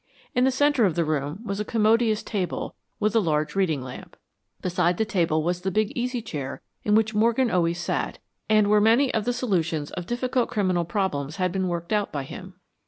In the center of the room was a commodious table with a large reading lamp. Beside the table was the big easy chair in which Morgan always sat, and where many of the solutions of difficult criminal problems had been worked out by him.